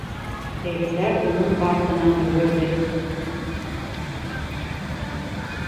Тегеләр уның артынан йүгерҙе.